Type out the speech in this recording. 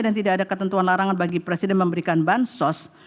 dan tidak ada ketentuan larangan bagi presiden memberikan bansos